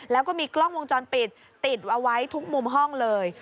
แล้วก็มีกล้องวงจรปิดติดเอาไว้ทุกมุมห้องเลย